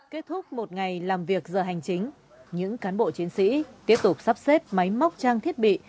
kết thúc một ngày làm việc giờ hành chính những cán bộ chiến sĩ tiếp tục sắp xếp máy móc trang thiết bị